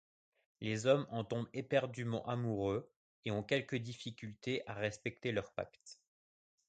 Les hommes en tombent éperdument amoureux et ont quelques difficultés à respecter leur pacte.